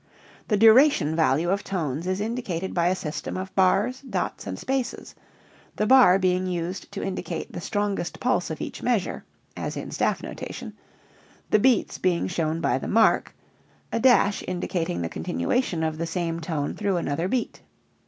The duration value of tones is indicated by a system of bars, dots, and spaces, the bar being used to indicate the strongest pulse of each measure (as in staff notation) the beats being shown by the mark: a dash indicating the continuation of the same tone through another beat.